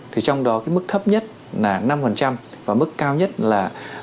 thì trong đó cái mức thấp nhất là năm và mức cao nhất là ba mươi năm